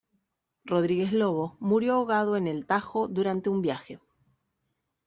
Rodrigues Lobo murió ahogado en el Tajo durante un viaje.